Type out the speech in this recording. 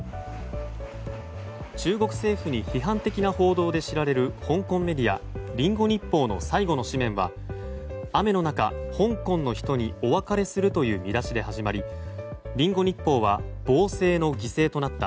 中国政府に批判的な報道で知られる香港メディアリンゴ日報の最後の紙面は雨の中、香港の人にお別れするという見出しで始まりリンゴ日報は暴政の犠牲となった。